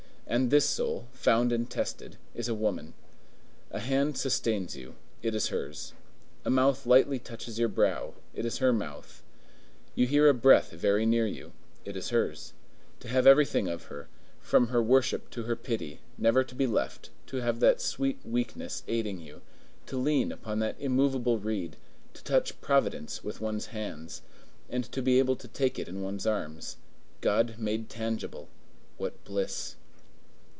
And this soul, found and tested, is a woman. A hand sustains you; it is hers: a mouth lightly touches your brow; it is her mouth: you hear a breath very near you; it is hers. To have everything of her, from her worship to her pity, never to be left, to have that sweet weakness aiding you, to lean upon that immovable reed, to touch Providence with one's hands, and to be able to take it in one's arms,—God made tangible,—what bliss!